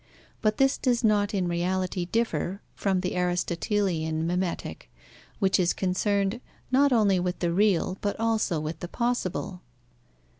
But this does not in reality differ from the Aristotelian mimetic, which is concerned, not only with the real, but also with the possible.